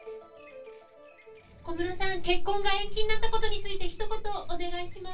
小室さん、結婚が延期になったことについてひと言お願いします。